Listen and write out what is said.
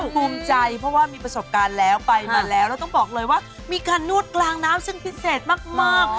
ภูมิใจเพราะว่ามีประสบการณ์แล้วไปมาแล้วแล้วต้องบอกเลยว่ามีการนวดกลางน้ำซึ่งพิเศษมาก